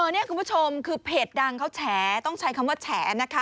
นี่คุณผู้ชมคือเพจดังเขาแฉต้องใช้คำว่าแฉนะคะ